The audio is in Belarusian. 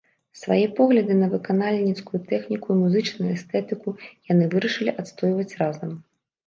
Свае погляды на выканальніцкую тэхніку і музычную эстэтыку яны вырашылі адстойваць разам.